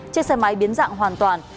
chiếc xe máy biến dạng hoàn toàn